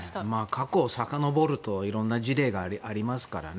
過去をさかのぼるといろいろな事例がありますからね。